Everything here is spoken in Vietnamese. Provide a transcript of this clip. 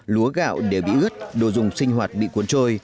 lúa gạo đều bị ứt đồ dùng sinh hoạt bị cuốn trôi